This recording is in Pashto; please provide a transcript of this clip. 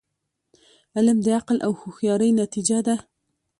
علم د عقل او هوښیاری نتیجه ده.